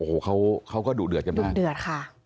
โอ้โหเขาก็ดุเดือดกันมากดุเดือดค่ะ